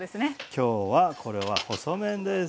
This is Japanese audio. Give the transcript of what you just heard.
今日はこれは細麺です。